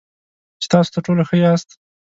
چې تاسو تر ټولو ښه یاست .